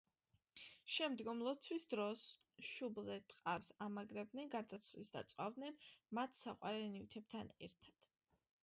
შემდგომ, ლოცვის დროს, შუბლზე ტყავს ამაგრებდნენ გარდაცვლილს და წვავდნენ მათ საყვარელ ნივთებთან ერთად.